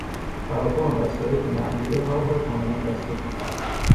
تراکم وسایط نقلیه راه را کاملا بسته بود.